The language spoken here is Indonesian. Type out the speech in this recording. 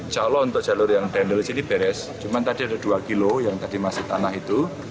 jalur untuk jalur yang dendel ini beres cuma tadi ada dua kilo yang tadi masih tanah itu